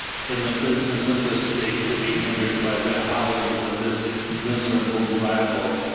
Is the business of the State to be hindered by the howlings of this miserable rabble?